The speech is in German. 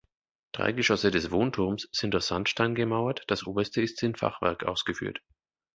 Drei Geschosse des Wohnturms sind aus Sandstein gemauert, das oberste ist in Fachwerk ausgeführt.